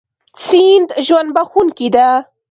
سیند ژوند بښونکی دی.